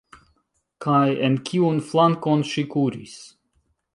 Kaj en kiun flankon ŝi kuris?